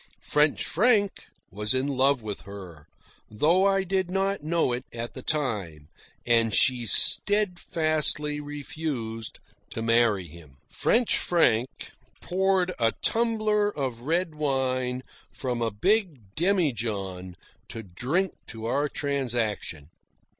French Frank was in love with her, though I did not know it at the time; and she steadfastly refused to marry him. French Frank poured a tumbler of red wine from a big demijohn to drink to our transaction.